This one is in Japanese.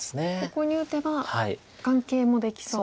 ここに打てば眼形もできそうですか。